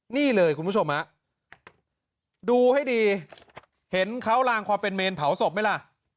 นี่เลยคุณผู้ชมฮะดูให้ดีเห็นเขาลางความเป็นเมนเผาศพไหมล่ะ